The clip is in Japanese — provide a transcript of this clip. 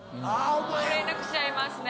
連絡しちゃいますね。